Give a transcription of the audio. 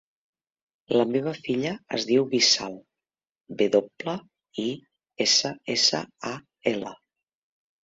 La meva filla es diu Wissal: ve doble, i, essa, essa, a, ela.